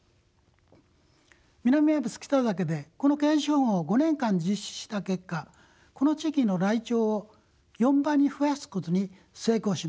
南アルプス北岳でこのケージ保護を５年間実施した結果この地域のライチョウを４倍に増やすことに成功しました。